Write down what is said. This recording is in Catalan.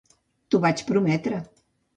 T'ho vaig prometre.